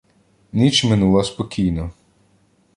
Ніч минула спокійно.